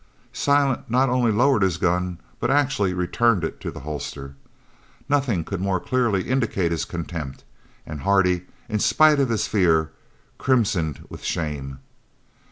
Silent not only lowered his gun, but actually returned it to the holster. Nothing could more clearly indicate his contempt, and Hardy, in spite of his fear, crimsoned with shame.